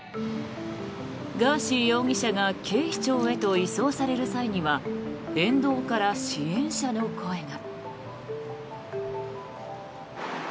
ガーシー容疑者が警視庁へと移送される際には沿道から支援者の声が。